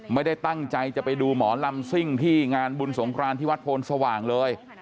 ไม่ได้ตั้งใจจะไปดูหมอลำซิ่งที่งานบุญสงครานที่วัดโพนสว่างเลย